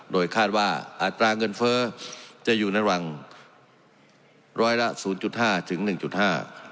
โดยคาดว่าอัตราเงินเฟ้อจะอยู่ในหวังร้อยละ๐๕๑๕